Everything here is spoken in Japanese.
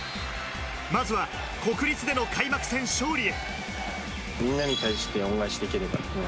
まずは国立での開幕戦勝利へ。